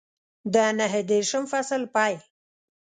د نهه دېرشم فصل پیل